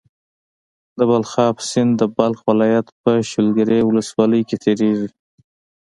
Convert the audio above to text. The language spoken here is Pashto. د بلخاب سيند د بلخ ولايت په شولګرې ولسوالۍ کې تيريږي.